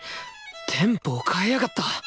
テンポを変えやがった！